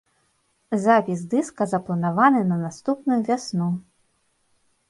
Запіс дыска запланаваны на наступную вясну.